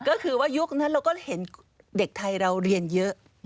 ก็คือว่ายุคนั้นเราก็เห็นเด็กไทยเราเรียนเยอะ